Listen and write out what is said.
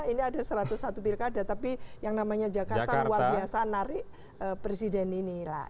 ini ada satu ratus satu pilkada tapi yang namanya jakarta luar biasa narik presiden ini lah